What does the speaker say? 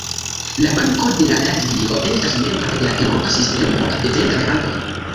La Banko de Latvio estas membro de la Eŭropa Sistemo de Centraj Bankoj.